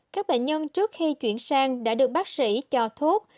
các bệnh nhân trước khi chuyển sang đã được bác sĩ cho thuốc